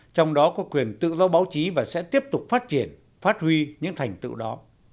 trong đó có quyền tự do báo chí và sẽ tiếp tục phát triển phát huy những thành tựu đó